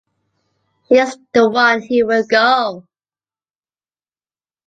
She is the one who will go.